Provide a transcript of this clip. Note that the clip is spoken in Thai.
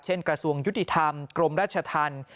กระทรวงยุติธรรมกรมราชธรรม